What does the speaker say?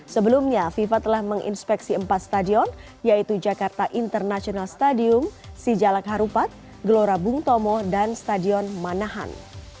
sebelumnya fifa telah menginspeksi empat stadion yaitu jakarta international stadium sijalak harupat gelora bung tomo dan stadion manahan